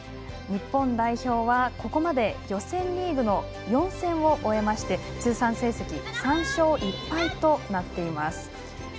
日本代表はここまで予選リーグ４戦を終えまして通算成績３勝１敗となっています。